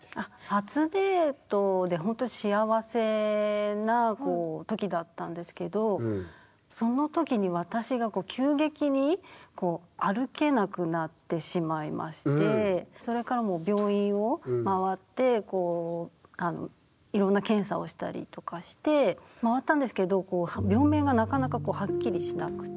初デートでほんとに幸せな時だったんですけどその時に私がそれからもう病院を回ってこういろんな検査をしたりとかして回ったんですけど病名がなかなかはっきりしなくて。